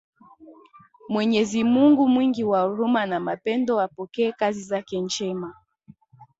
Mwenyezi Mungu mwingi wa huruma na mapendo apokee kazi zake njema